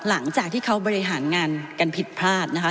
หลังจากที่เขาบริหารงานกันผิดพลาดนะคะ